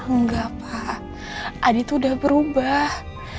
enggak pak adi tuh udah berubah